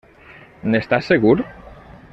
N'estàs segur?